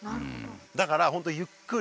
だからホントゆっくり。